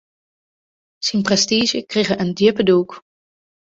Syn prestiizje krige in djippe dûk.